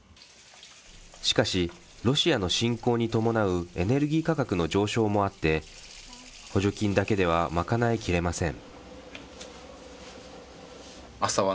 しかし、ロシアの侵攻に伴うエネルギー価格の上昇もあって、補助金だけでは賄いきれません。